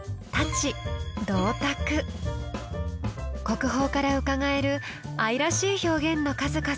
国宝からうかがえる愛らしい表現の数々。